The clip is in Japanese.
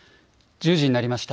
１０時になりました。